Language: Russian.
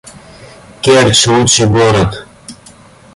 Керчь — лучший город